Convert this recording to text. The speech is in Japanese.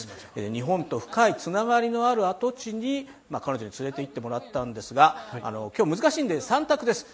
日本と深いつながりのある跡地に彼女に連れて行ってもらったんですが今日、難しいんで３択です。